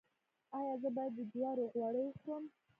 ایا زه باید د جوارو غوړي وخورم؟